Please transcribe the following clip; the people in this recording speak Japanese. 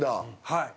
はい。